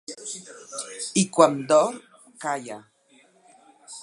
I quan dorm calla.